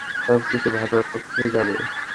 সবকিছু ভালোর পক্ষেই যাবে।